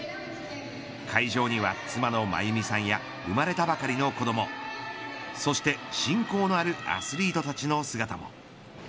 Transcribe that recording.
会場には妻の麻由美さんや生まれたばかりの子どもそして親交のあるアスリートたちの姿も。